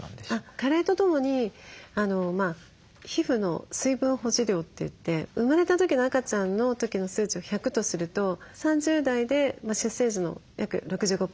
加齢とともに皮膚の水分保持量といって生まれた時の赤ちゃんの時の数値を１００とすると３０代で出生時の約６５％。